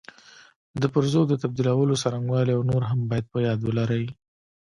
د پرزو د تبدیلولو څرنګوالي او نور هم باید په یاد ولري.